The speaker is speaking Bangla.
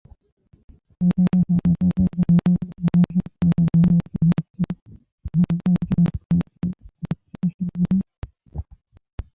ইন্টারনেট সংযোগের জন্য যেসব পণ্য ব্যবহূত হচ্ছে হার্টব্লিডে আক্রান্ত হচ্ছে সেগুলো।